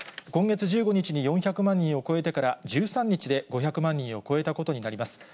今月１５日に４００万人を超えてから、１３日で５００万人を超えたことになります。